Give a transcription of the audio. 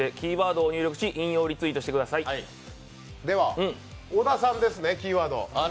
では、小田さんですね、キーワード。